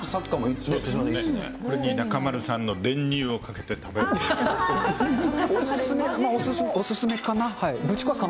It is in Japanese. これに中丸さんの練乳をかけお勧めかな。